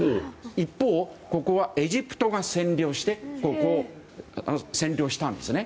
一方、ここはエジプトが占領したんですね。